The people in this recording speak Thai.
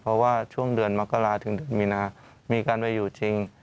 เพราะว่าช่วงเดือนมกราศถึงมีนามีการไปอยู่จริง